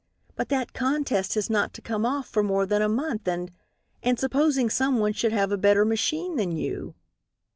But that contest is not to come off for more than a month and and supposing someone should have a better machine than you?"